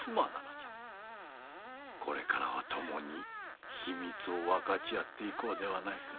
これからは共に秘密を分かち合ってゆこうではないか。